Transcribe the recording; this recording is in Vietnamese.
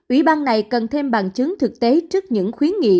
ủy ban này cần thêm bằng chứng thực tế trước những khuyến nghị